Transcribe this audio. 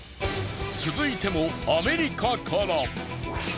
続いてもアメリカから。